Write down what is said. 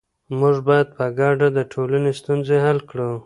موږ باید په ګډه د ټولنې ستونزې حل کړو.